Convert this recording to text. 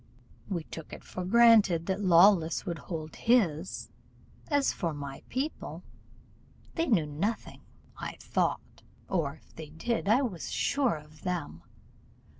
We took it for granted that Lawless would hold his, and as for my people, they knew nothing, I thought, or if they did, I was sure of them.